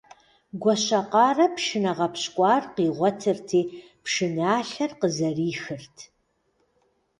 Гуащэкъарэ пшынэ гъэпщкӀуар къигъуэтырти, пшыналъэр къызэрихырт.